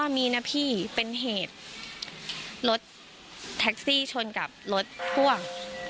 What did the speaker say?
มีนะพี่เป็นเหตุรถแท็กซี่ชนกับรถพ่วง